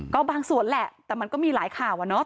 ก็บางส่วนแหละแต่มันก็มีหลายข่าวอะเนาะ